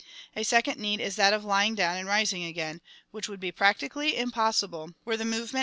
A second need is that of lying down and rising again, which would be practically impossible were the v\ j.